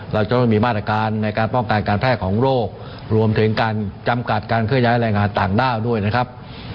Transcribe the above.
เราจะต้องมีมาตรการในการป้องกันการแพร่ของโรครวมถึงการจำกัดการเคลื่อย้ายแรงงานต่างด้าวด้วยนะครับ